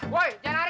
woy jangan lari